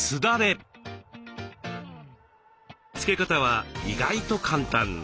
付け方は意外と簡単。